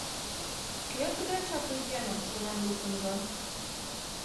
Кӧ тыгай чапле «йӧным» шонен луктын гын?..